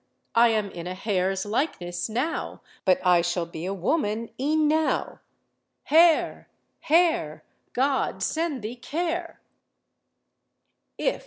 I am in a hare's likeness now; But I shall be a woman e'en now! Hare! hare! God send thee care!"